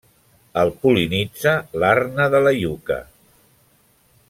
El pol·linitza l'arna de la iuca.